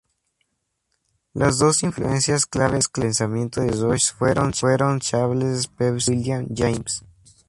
Las dos influencias clave del pensamiento de Royce fueron Charles Peirce y William James.